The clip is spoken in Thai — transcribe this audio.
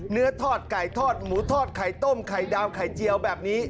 เนื้อทอดไก่ทอดหมูทอดไข่ต้มไข่ดาวไข่เจียวแบบนี้